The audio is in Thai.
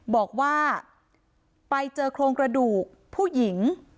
บอกว่าไปเจอโครงกระดูกผู้หญิง